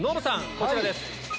こちらです。